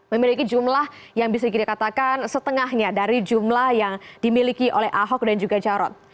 memiliki jumlah yang bisa dikatakan setengahnya dari jumlah yang dimiliki oleh ahok dan juga jarot